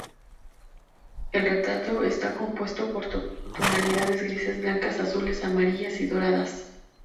El retrato está compuesto por tonalidades grises, blancas, azules, amarillas y doradas.